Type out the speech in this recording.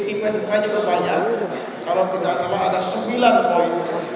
tipe tipe juga banyak kalau tidak salah ada sembilan poin